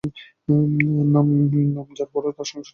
নাম যার বড়ো তার সংসারটা ঘরে অল্প, বাইরেই বেশি।